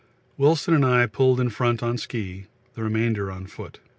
Wilson and I pulled in front on ski, the remainder on foot.